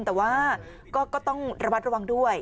แต่ว่าก็ต้องระมัดระวังด้วย